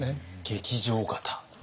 劇場型。